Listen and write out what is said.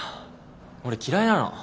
俺嫌いなの。